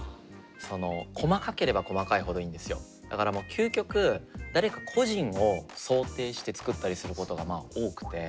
究極誰か個人を想定して作ったりすることが多くて。